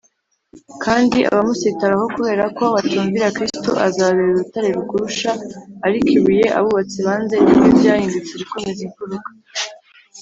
' kandi abamusitaraho kubera ko batumvira,’ kristo azababera urutare rugusha ‘ariko ibuye abubatsi banze ni ryo ryahindutse irikomeza imfuruka